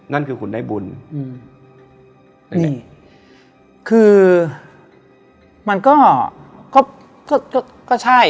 นั่นคือคุณได้บุญอืมนี่คือมันก็ครบก็ใช่